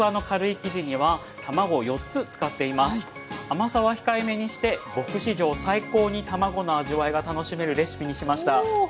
甘さは控えめにして僕史上最高に卵の味わいが楽しめるレシピにしました。